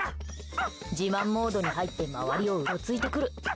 自慢モードに入って周りをうろついてくる。